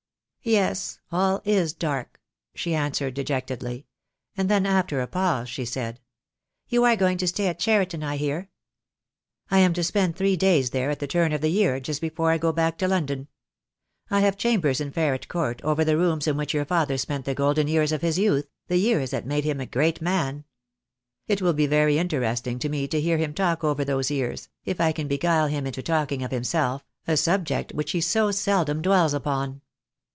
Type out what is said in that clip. "Yes, all is dark!" she answered, dejectedly; and then, after a pause, she said, "You are going to stay at Cheriton, I hear?" "I am to spend three days there at the turn of the year, just before I go back to London. I have chambers in Ferret court, over the rooms in which your father spent the golden years of his youth, the years that made him a great man. It will be very interesting to me to hear him talk over those years, if I can beguile him into talk ing of himself, a subject which he so seldom dwells upon."